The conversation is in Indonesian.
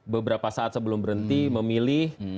beberapa saat sebelum berhenti memilih